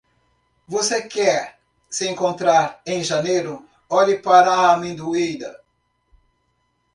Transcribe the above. Você quer se encontrar em janeiro? Olhe para a amendoeira.